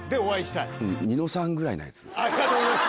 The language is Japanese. ありがとうございます！